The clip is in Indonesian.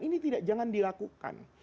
ini jangan dilakukan